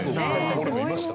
俺もいました。